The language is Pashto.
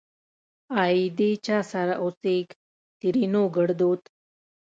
آئيدې چا سره اوسيږ؛ ترينو ګړدود